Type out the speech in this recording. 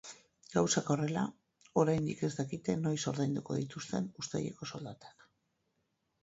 Gauzak horrela, oraindik ez dakite noiz ordainduko dituzten uztaileko soldatak.